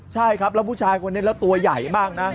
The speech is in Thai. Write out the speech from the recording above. ใช่ครับแล้วผู้ชายคนนี้แล้วตัวใหญ่มากนะ